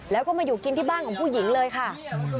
แล้วก็มาอยู่กินที่บ้านของผู้หญิงเลยค่ะ